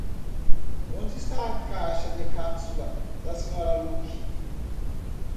Onde está a caixa de cápsulas da Sra. Luke?